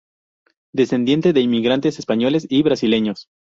Descendiente de inmigrantes españoles y brasileños.